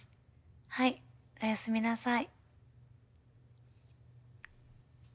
はいおやすみなさい。